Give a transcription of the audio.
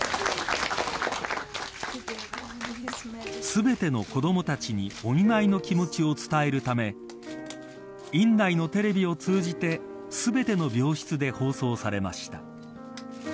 全ての子どもたちにお見舞いの気持ちを伝えるため院内のテレビを通じて全ての病室で放送されました。